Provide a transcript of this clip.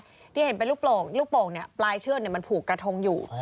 แต่ที่เห็นเป็นลูกโป่งพูกจริงปลายเชือกนี่มันพูกกระทงอยู่